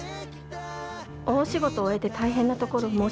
大仕事を終えて大変なところ申し訳ないんですが。